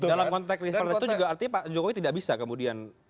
dalam konteks rivalitas itu juga artinya pak jokowi tidak bisa kemudian